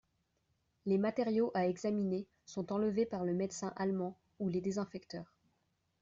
Les matériaux à examiner sont enlevés par le médecin allemand, ou les désinfecteurs.